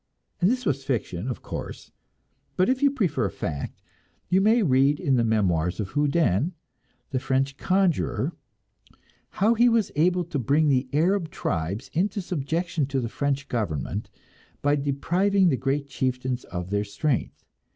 And this was fiction, of course; but if you prefer fact, you may read in the memoirs of Houdin, the French conjurer, how he was able to bring the Arab tribes into subjection to the French government by depriving the great chieftains of their strength.